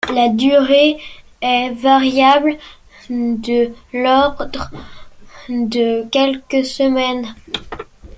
La durée est variable, de l'ordre de quelques semaines.